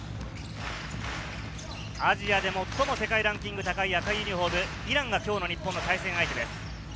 アジアでも最も世界ランキングが高いイランが今日の日本の対戦相手です。